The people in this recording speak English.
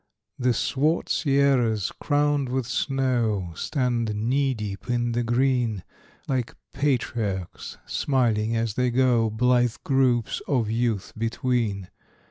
The swart Sierras, crowned with snow, Stand knee deep in the green, Like patriarchs smiling as they go Blithe groups of youth between.